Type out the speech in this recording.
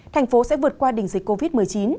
thành phố sẽ vượt qua đỉnh dịch covid một mươi chín